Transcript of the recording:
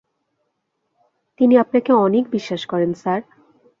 তিনি আপনাকে অনেক বিশ্বাস করেন, স্যার।